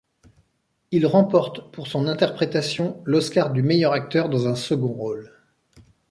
Il remporte pour son interprétation l'Oscar du meilleur acteur dans un second rôle.